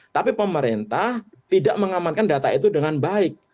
tapi pemerintah tidak mengamankan data itu dengan baik